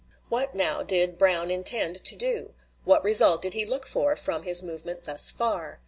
What, now, did Brown intend to do? What result did he look for from his movement thus far?